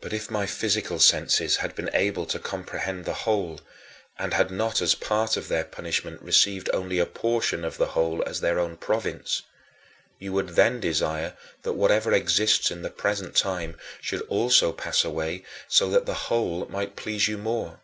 But if my physical senses had been able to comprehend the whole and had not as a part of their punishment received only a portion of the whole as their own province you would then desire that whatever exists in the present time should also pass away so that the whole might please you more.